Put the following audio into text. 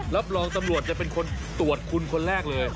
รับรองตำรวจจะเป็นคนตรวจคุณคนแรกเลย